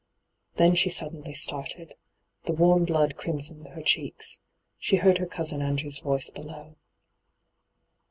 Then she suddenly started. The warm blood crimsoned her cheeks. She heard her cousin Andrew's voice below.